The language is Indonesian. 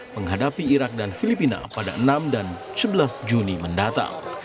menghadapi irak dan filipina pada enam dan sebelas juni mendatang